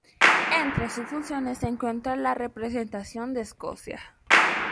Entre sus funciones se encuentra la representación de Escocia.